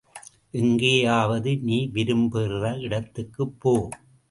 எங்கேயாவது நீ விரும்புகிற இடத்துக்குப் போ!